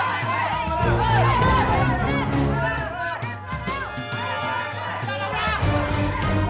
ayo kita kerbangin dia